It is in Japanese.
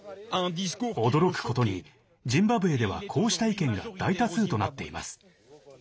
驚くことにジンバブエではこうした意見が大多数となっています。